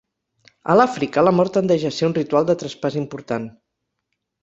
A l'Àfrica, la mort tendeix a ser un ritual de traspàs important.